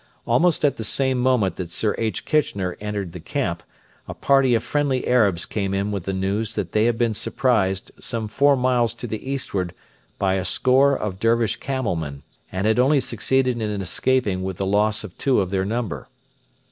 Almost at the same moment that Sir H. Kitchener entered the camp, a party of friendly Arabs came in with the news that they had been surprised some four miles to the eastward by a score of Dervish camel men, and had only succeeded in escaping with the loss of two of their number.